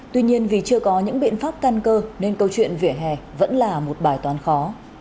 tuy nhiên vì chưa có những biện pháp căn cơ nên câu chuyện về hè vẫn là một bài toán khó